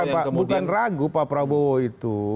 bukan ragu pak prabowo itu